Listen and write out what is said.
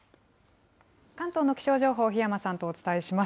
関東の気象情報、檜山さんとお伝えします。